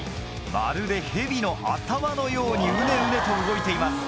まるで蛇の頭のようにウネウネと動いています。